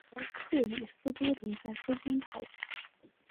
而亚里斯多德在书中讨论的问题成为了形上学的很多基本问题。